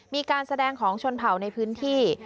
มีการแสดงของชนเผ่าในพื้นที่